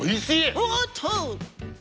おっと！